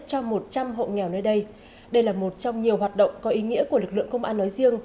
cho một trăm linh hộ nghèo nơi đây là một trong nhiều hoạt động có ý nghĩa của lực lượng công an nói riêng